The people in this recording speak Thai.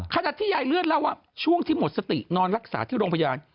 ขณะที่ยายเลื่อนเล่าว่าช่วงที่หมดสตินอนรักษาที่โรงพยาบาล